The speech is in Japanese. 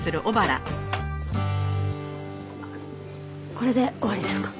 これで終わりですか？